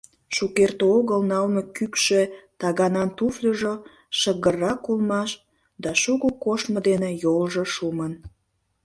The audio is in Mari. Шукерте огыл налме кӱкшӧ таганан туфльыжо шыгыррак улмаш да шуко коштмо дене йолжо шумын.